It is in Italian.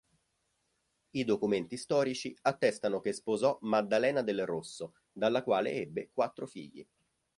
I documenti storici attestano che sposò Maddalena del Rosso, dalla quale ebbe quattro figli.